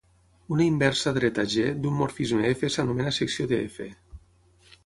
Una inversa dreta "g" d'un morfisme "f" s'anomena secció de "f".